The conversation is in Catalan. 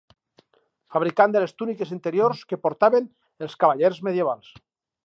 Fabricant de les túniques interiors que portaven els cavallers medievals.